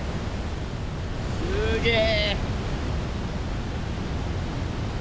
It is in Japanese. すげえ！